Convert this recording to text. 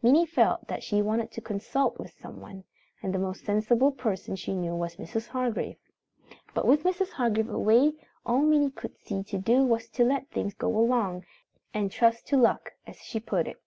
Minnie felt that she wanted to consult with someone, and the most sensible person she knew was Mrs. Hargrave. But with Mrs. Hargrave away, all Minnie could see to do was to let things go along, and "trust to luck" as she put it.